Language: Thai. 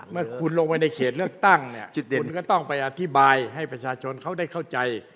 เมื่อคุณลงไปในเขตเลือกตั้งเนี่ยคุณก็ต้องไปอธิบายให้ประชาชนเขาได้เข้าใจ